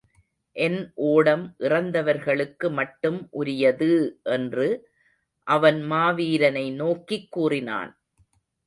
என் ஓடம் இறந்தவர்களுக்கு மட்டும் உரியது! என்று அவன் மாவீரனை நோக்கிக் கூறினான்.